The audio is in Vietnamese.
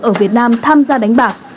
ở việt nam tham gia đánh bạc